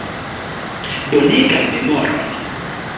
Bonegan memoron.